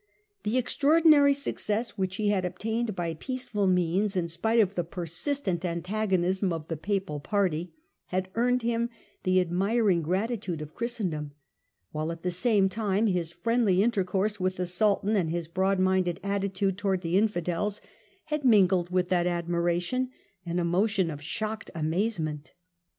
The extraordinary success which he had obtained by peaceful means, in spite of the persistent antagonism of the Papal party, had earned him the admiring gratitude of Christendom ; while at the same time his friendly intercourse with the Sultan and his broad minded attitude towards the Infidels had mingled with that admiration an emotion of shocked amazement.